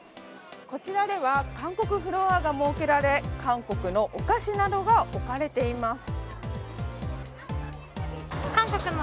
こちらでは、韓国フロアが設けられ、韓国のお菓子などが置かれています。